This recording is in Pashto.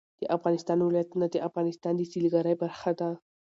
د افغانستان ولايتونه د افغانستان د سیلګرۍ برخه ده.